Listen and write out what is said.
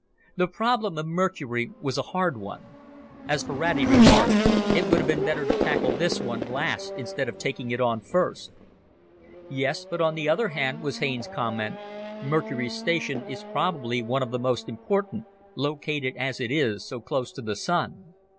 The problem of Mercury was a hard one. As Ferrati remarked, "It would have been better to tackle this one last instead of taking it on first." "Yes, but on the other hand," was Haines's comment, "Mercury's station is probably one of the most important located as it is, so close to the Sun.